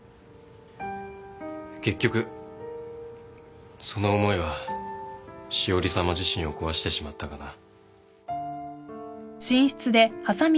結局その思いは詩織さま自身を壊してしまったがな。